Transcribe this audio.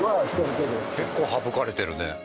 結構省かれてるね。